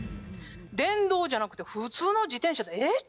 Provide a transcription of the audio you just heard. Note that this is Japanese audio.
電動じゃなくて普通の自転車でええっちゅうねん。